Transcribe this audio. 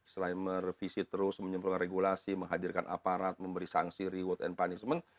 selain merevisi terus menyimpulkan regulasi menghadirkan aparat memberi sanksi reward and punishment